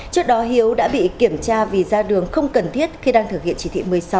trước đó hiếu đã bị kiểm tra vì ra đường không cần thiết khi đang thực hiện chỉ thị một mươi sáu